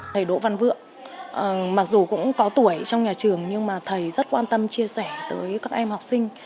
thầy đỗ văn vượng mặc dù cũng có tuổi trong nhà trường nhưng mà thầy rất quan tâm chia sẻ tới các em học sinh